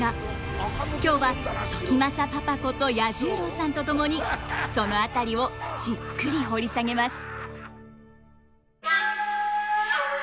今日は時政パパこと彌十郎さんと共にその辺りをじっくり掘り下げます。